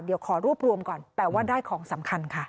เดี๋ยวขอรวบรวมก่อนแต่ว่าได้ของสำคัญค่ะ